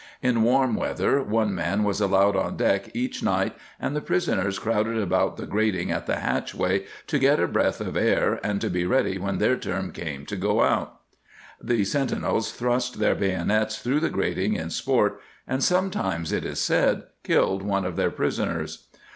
In warm weather one man was allowed on deck each night, and the prisoners crowded about the grating at the hatchway to get a breath of air and to be ready when their turn came to go out. The sentinels thrust their bayonets through the grating in sport, and sometimes, it is said, killed one of their prisoners.